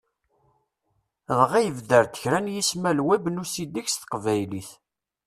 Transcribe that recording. Dɣa ibder-d kra n yismal Web n usideg s Teqbaylit.